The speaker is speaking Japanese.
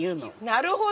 なるほど！